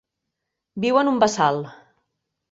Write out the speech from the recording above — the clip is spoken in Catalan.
Viu en un bassal.